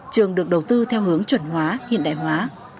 trường được đầu tư theo hướng chuẩn hóa hiện đại hóa